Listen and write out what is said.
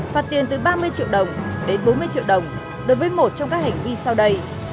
phạt tiền từ ba mươi triệu đồng đến bốn mươi triệu đồng đối với một trong các hành vi sau đây